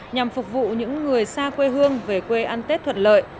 nhằm phục vụ những người xa quê hương về quê ăn tết thuận lợi